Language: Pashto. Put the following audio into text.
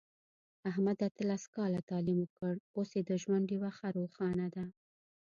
احمد اتلس کاله تعلیم وکړ، اوس یې د ژوند ډېوه ښه روښانه ده.